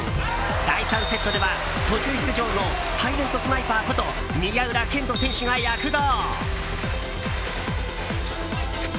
第３セットでは途中出場のサイレントスナイパーこと宮浦健人選手が躍動。